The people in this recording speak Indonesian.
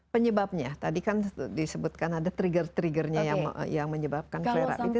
penyebabnya tadi kan disebutkan ada trigger triggernya yang menyebabkan flyrab itu